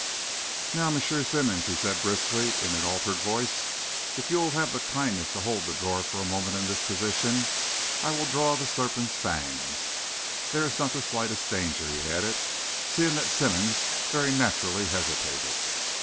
"Now, M. Simmón," he said, briskly, in an altered voice, "if you will have the kindness to hold the drawer for a moment in this position, I will draw the serpent's fangs. There is not the slightest danger," he added, seeing that Simmonds very naturally hesitated.